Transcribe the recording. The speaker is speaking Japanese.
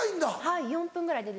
はい４分ぐらいで。